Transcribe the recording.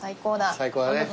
最高だね。